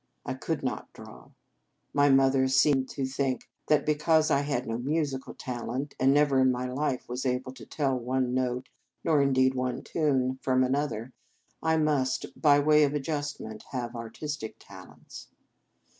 I could not draw. My mother seemed to think that because I had no musical talent, and never in my life was able to tell one note nor indeed one tune from another, I must, by way of ad justment, have artistic qualities.